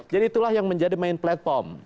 jadi itulah yang menjadi main platform